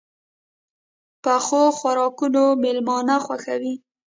پخو خوراکونو مېلمانه خوښوي